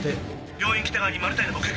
病院北側にマル対の目撃